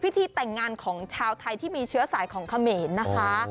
พิธีแต่งงานของชาวไทยที่มีเชื้อสายของเขมรนะคะ